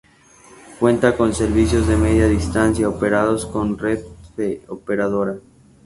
Cuenta con servicios de media distancia operados por Renfe Operadora.